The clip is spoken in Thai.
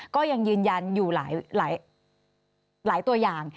ก็ยังยืนยันอยู่หลายตัวอย่าง